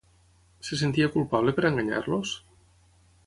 Se sentia culpable per enganyar-los?